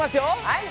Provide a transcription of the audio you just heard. はい。